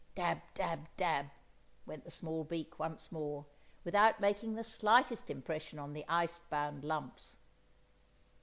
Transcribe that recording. Dab, dab, dab, went the small beak once more, without making the slightest impression on the ice bound lumps.